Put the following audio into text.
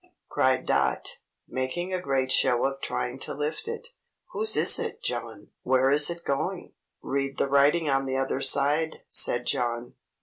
cried Dot, making a great show of trying to lift it. "Whose is it, John? Where is it going?" "Read the writing on the other side," said John.